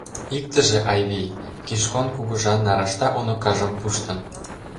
Иктыже, Айвий, Кишкон Кугыжан нарашта уныкажым пуштын.